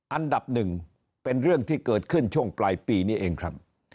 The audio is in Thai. อันดับหนึ่งเป็นเรื่องที่เกิดขึ้นช่วงปลายปีนี้เองครับ